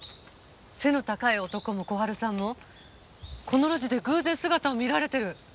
背の高い男も小春さんもこの路地で偶然姿を見られてる。